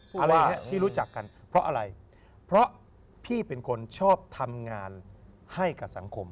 อะไรฮะที่รู้จักกันเพราะอะไรเพราะพี่เป็นคนชอบทำงานให้กับสังคม